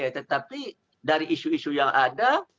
tetapi dari isu isu yang ada